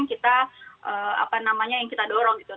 itu yang kita dorong gitu